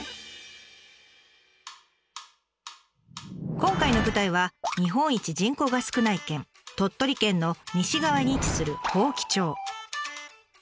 今回の舞台は日本一人口が少ない県鳥取県の西側に位置する伯耆町。